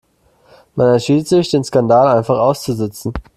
Man entschied sich, den Skandal einfach auszusitzen.